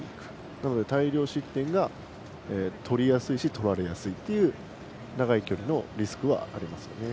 なので、大量失点が取りやすいし取られやすいという長い距離のリスクはありますね。